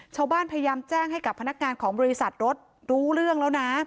พยายามแจ้งให้กับพนักงานของบริษัทรถรู้เรื่องแล้วนะ